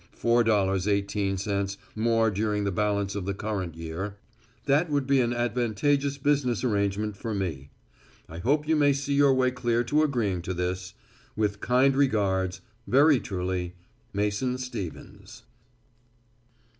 18 more during the balance of the current year), that would be an advantageous business arrangement for me. I hope you may see your way clear to agreeing to this._ "With kind regards, "_Very truly, "Mason Stevens.